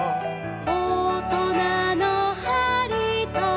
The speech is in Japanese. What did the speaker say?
「おとなのはりと」